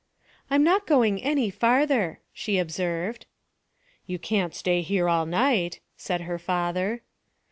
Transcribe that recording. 'I'm not going any farther,' she observed. 'You can't stay here all night,' said her father.